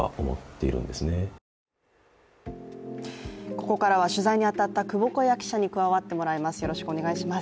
ここからは、取材に当たった窪小谷記者に加わってもらいます。